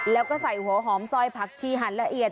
แล้วก็ใส่หัวหอมซอยผักชีหันละเอียด